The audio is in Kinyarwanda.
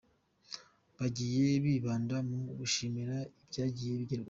Bagiye bibanda mu gushimira ibyagiye bigerwaho.